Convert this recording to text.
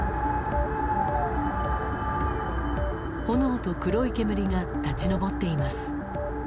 炎と黒い煙が立ち上っています。